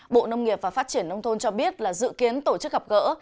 bộ nông nghiệp và phát triển nông thôn cho biết là dự kiến tổ chức gặp gỡ